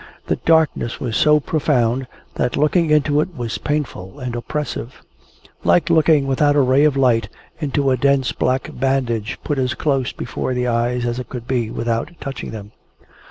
The darkness was so profound, that looking into it was painful and oppressive like looking, without a ray of light, into a dense black bandage put as close before the eyes as it could be, without touching them.